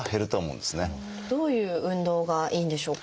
どういう運動がいいんでしょうか？